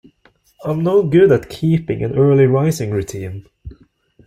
I'm no good at keeping an early rising routine.